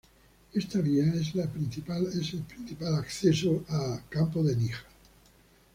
Esta vía es el principal acceso al Campo de Níjar.